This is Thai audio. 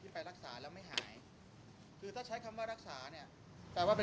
ผมตอบได้เลยว่า